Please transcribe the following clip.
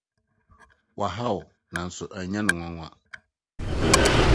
Wahaw, nanso ɛnyɛ no nwonwa.